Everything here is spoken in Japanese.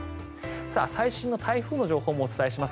最新の台風の情報もお伝えします。